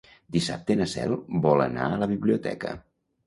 Dissabte na Cel vol anar a la biblioteca.